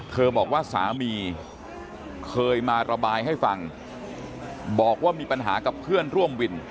บอกว่าสามีเคยมาระบายให้ฟังบอกว่ามีปัญหากับเพื่อนร่วมวิน